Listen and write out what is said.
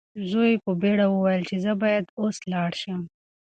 زوی یې په بیړه وویل چې زه باید اوس لاړ شم.